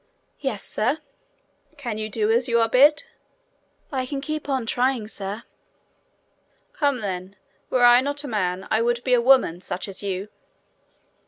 'Yes, sir.' 'Can you do as you are bid?' 'I can keep on trying, sir.' 'Come then. Were I not a man I would be a woman such as you.'